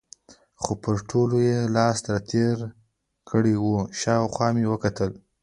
خو پر ټولو یې لاس را تېر کړی و، شاوخوا مې وکتل.